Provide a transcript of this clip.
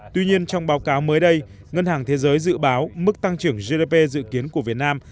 tuy nhiên trong báo cáo mới đây ngân hàng thế giới dự báo mức tăng trưởng gdp dự kiến của việt nam